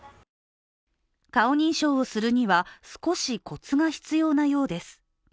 顔認証をするには、少しコツが必要なようです。